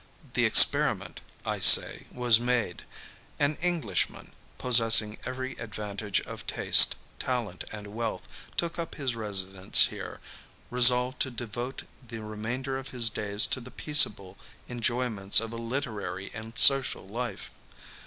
The experiment, I say, was made. An Englishman, possessing every advantage of taste, talent, and wealth, took up his residence here, resolved to devote the remainder of his days to the peaceable enjoyments of a literary and social life.